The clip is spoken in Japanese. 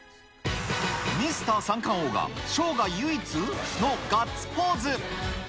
ミスター三冠王が生涯唯一？のガッツポーズ。